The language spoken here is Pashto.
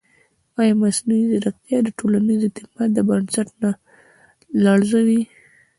ایا مصنوعي ځیرکتیا د ټولنیز اعتماد بنسټ نه لړزوي؟